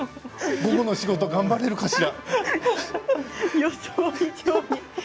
午後の仕事、頑張れるかしら？